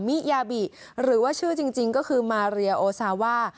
มิยาบิหรือว่าชื่อจริงก็คือมาเรียโอซาว่า